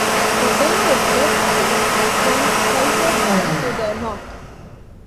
The bay is best viewed from Culver Down to the north.